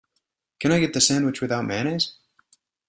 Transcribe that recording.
Can I get the sandwich without mayonnaise?